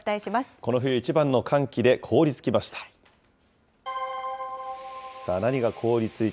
この冬一番の寒気で、凍りつきました。